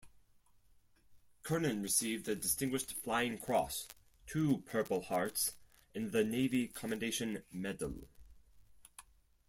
Kernan received the Distinguished Flying Cross, two Purple Hearts and the Navy Commendation Medal.